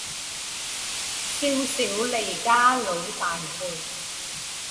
少小离家老大回